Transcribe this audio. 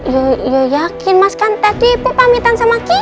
ya ya yakin mas kan tadi ibu pamitkan rok